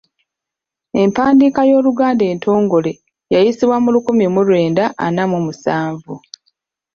Empandiika y’Oluganda entongole yayisibwa mu lukumi mu lwenda ana mu musanvu.